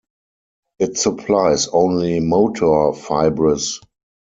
It supplies only motor fibres.